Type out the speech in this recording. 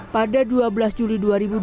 pada dua belas juli dua ribu dua puluh